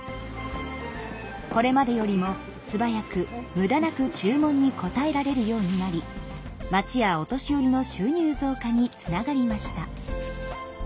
これまでよりもすばやくむだなく注文に応えられるようになり町やお年寄りの収入増加につながりました。